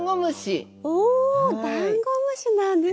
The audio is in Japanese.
おダンゴムシなんですね！